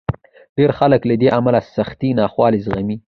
ډېر خلک له دې امله سختې ناخوالې زغمي.